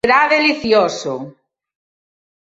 Será delicioso.